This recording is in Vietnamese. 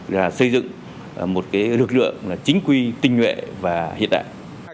là xây dựng một lực lượng chính quy tinh nhuệ và hiện đại